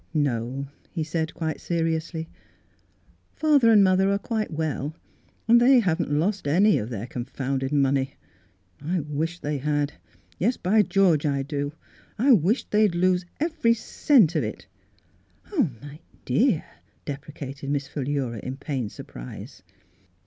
" No," he said, quite seriously; " father and mother are quite well, and the}^ haven't lost any of their confounded money. I wish they had. Yes, by George, I do. I wish they'd lose every cent of it." Miss Philura^s Wedding Gown " Oh, my dear," deprecated Miss Phl lura, in pained surprise.